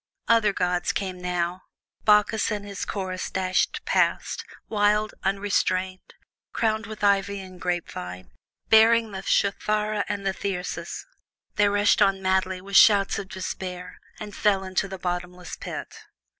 Other gods came now. Bacchus and his chorus dashed past, wild, unrestrained, crowned with ivy and grapevine, and bearing the cithara and the thyrsus. They rushed on madly, with shouts of despair, and fell into the bottomless pit.